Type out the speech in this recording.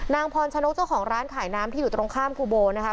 นางพรชนกเจ้าของร้านขายน้ำที่อยู่ตรงข้ามครูโบนะคะ